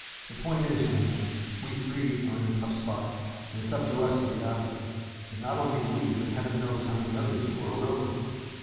"The point is, young man, we three are in a tough spot, and it's up to us to get out of it. And not only we, but heaven knows how many others the world over!"